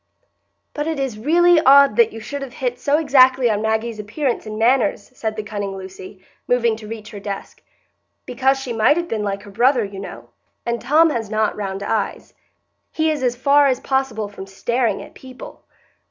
"But it is really odd that you should have hit so exactly on Maggie's appearance and manners," said the cunning Lucy, moving to reach her desk, "because she might have been like her brother, you know; and Tom has not round eyes; and he is as far as possible from staring at people."